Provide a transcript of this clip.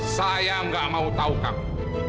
saya gak mau tau kamu